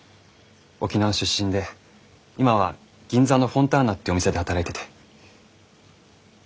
沖縄出身で今は銀座のフォンターナっていうお店で働いてて。